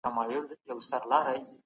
اوس علم هم ولرئ.